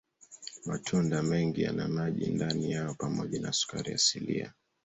Matunda mengi yana maji ndani yao pamoja na sukari asilia.